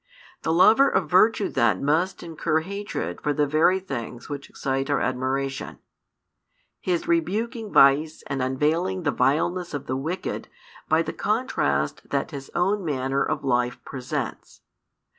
The lover of virtue then must incur hatred for the very things which excite our admiration his rebuking vice and unveiling the vileness of the wicked by the contrast that his own manner of life presents.